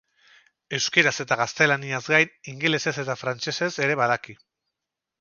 Euskaraz eta gaztelaniaz gain, ingelesez eta frantsesez ere badaki.